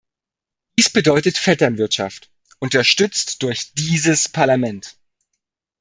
Dies bedeutet Vetternwirtschaft, unterstützt durch dieses Parlament.